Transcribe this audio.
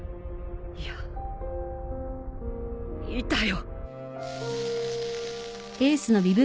いやいたよ。